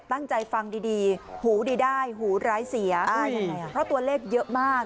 ตั้งใจฟังดีดีหูดีได้หูร้ายเสียอ่ายังไงอ่ะเพราะตัวเลขเยอะมาก